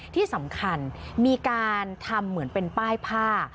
ที่สำคัญมีการทำเหมือนเป็นป้ายผ้า